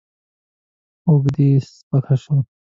اوږه يې سپکه شوه.